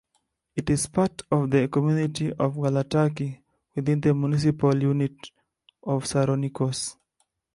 It is part of the community of Galataki within the municipal unit of Saronikos.